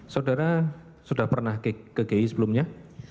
saudara sudah pernah ke gi sebelumnya